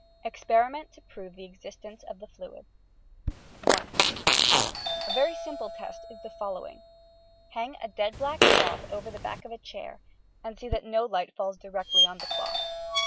EXPERIMENT TO PROVE THE EXISTENCE OP THE FLUID 1. A very simple test is the following: — Hang a dead black cloth over the back of a chair and see that no light falls directly on the cloth.